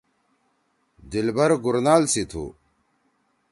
دلبر گورنال سی تُھو۔